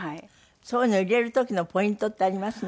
そういうのいれる時のポイントってあります？